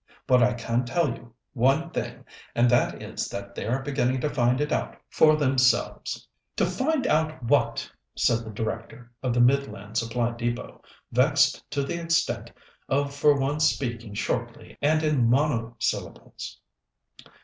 But I can tell you one thing, and that is that they're beginning to find it out for themselves." "To find out what?" said the Director of the Midland Supply Depôt, vexed to the extent of for once speaking shortly and in monosyllables.